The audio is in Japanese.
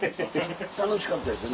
楽しかったです。